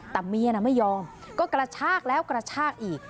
แต่เมียน่ะไม่ยอมก็กระชากแล้วกระชากอีก